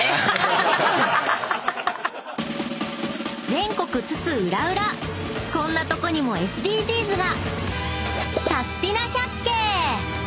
［全国津々浦々こんなとこにもＳＤＧｓが！］